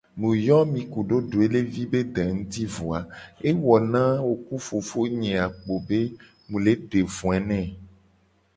Mu yo mi kudo doelevi be de nguti vo a ewo na wo ku fofo nye a kpo be mu le de voe ne.